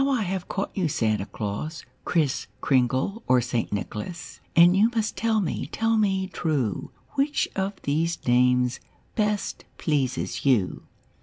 I have caught you Santa Claus, Kriss Kringle or St. Nicholas, And you must tell me, tell me true. Which of these names best pleases you'?